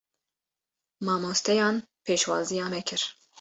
Mamosteyan pêşwaziya me kir.